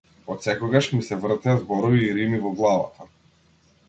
Отсекогаш ми се вртеа зборови и рими во главата.